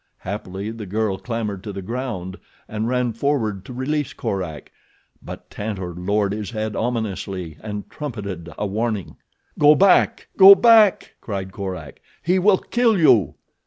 Happily the girl clambered to the ground and ran forward to release Korak; but Tantor lowered his head ominously and trumpeted a warning. "Go back! Go back!" cried Korak. "He will kill you."